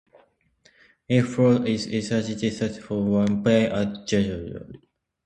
It flows in an easterly direction to Winyah Bay at Georgetown.